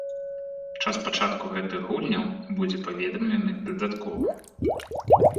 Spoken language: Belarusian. Час пачатку гэтых гульняў будзе паведамлены дадаткова.